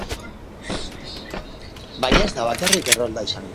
Baina ez da bakarrik errolda izango.